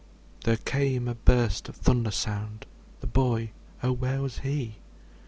There came a burst of thunder sound; The boy Oh! where was he?